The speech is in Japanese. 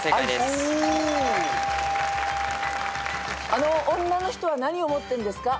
あの女の人は何を持ってんですか？